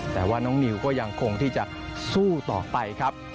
แต่ว่าน้องนิวก็ยังคงที่จะสู้ต่อไปครับ